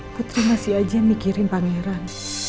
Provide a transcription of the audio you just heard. aku terima si ajih mikirin pangeran